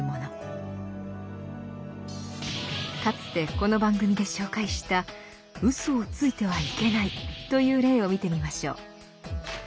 かつてこの番組で紹介した「嘘をついてはいけない」という例を見てみましょう。